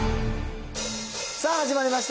さあ始まりました。